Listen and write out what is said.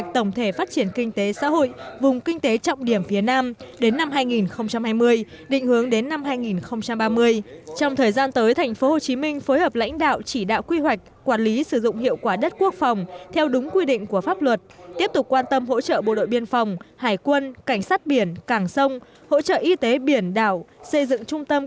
tổ chức hội nghị đánh giá kết quả phối hợp lãnh đạo thực hiện nhiệm vụ quân sự quốc phòng gắn với phát triển kinh tế xã hội văn hóa trên địa bàn tp hcm năm hai nghìn một mươi tám và sáu tháng đầu năm hai nghìn một mươi chín